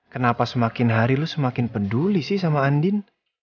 kenapa semakin hari lu semakin peduli sih sama andin